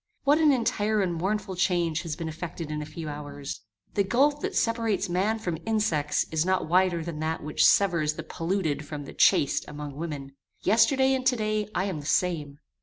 What an entire and mournful change has been effected in a few hours! The gulf that separates man from insects is not wider than that which severs the polluted from the chaste among women. Yesterday and to day I am the same.